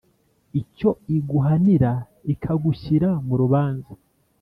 Icyo iguhanira ikagushyira mu rubanza